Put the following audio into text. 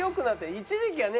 一時期はね